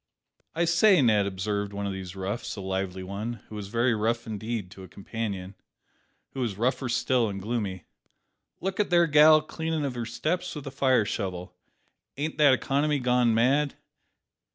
"I say, Ned," observed one of these roughs (a lively one), who was very rough indeed, to a companion, who was rougher still and gloomy, "look at that there gal cleanin' of her steps with a fire shovel! Ain't that economy gone mad?